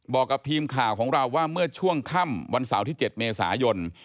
บอกกับทีมข่าวของเราว่าเมื่อช่วงค่ำวันเสาร์ที่๗เมษายน